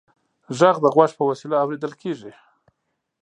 غږ د غوږ په وسیله اورېدل کېږي.